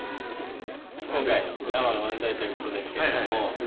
今回生の漫才ということですけれども。